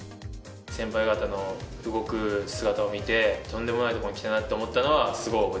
先輩方の動く姿を見てとんでもないとこに来たなって思ったのはすごい覚えてます。